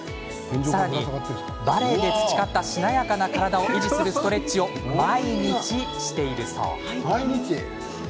さらに、バレエで培ったしなやかな体を維持するストレッチを毎日しているそう。